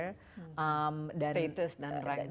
dan status dan rang juga